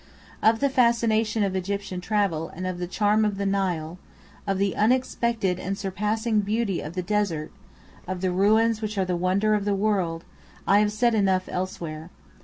Of the fascination of Egyptian travel, of the charm of the Nile, of the unexpected and surpassing beauty of the desert, of the ruins which are the wonder of the world, I have said enough elsewhere.